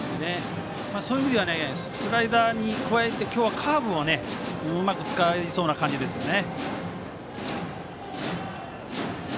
そういう意味ではスライダーに加えて今日はカーブもうまく使えそうな感じですよね。